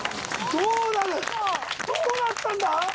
どうなったんだ？